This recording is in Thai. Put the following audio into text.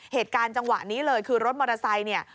เหตุการณ์จังหวะนี้เลยคือรถมอเตอร์ไซส์